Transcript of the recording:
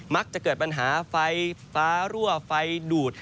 จะเกิดปัญหาไฟฟ้ารั่วไฟดูด